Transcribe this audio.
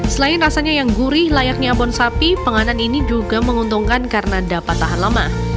selain rasanya yang gurih layaknya abon sapi penganan ini juga menguntungkan karena dapat tahan lama